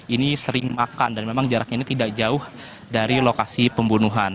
ini sering makan dan memang jaraknya ini tidak jauh dari lokasi pembunuhan